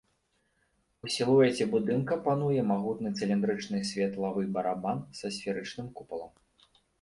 У сілуэце будынка пануе магутны цыліндрычны светлавы барабан са сферычным купалам.